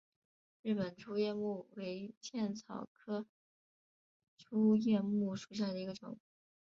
日本粗叶木为茜草科粗叶木属下的一个种。